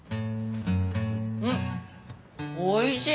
うんおいしい！